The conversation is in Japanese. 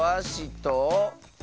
と。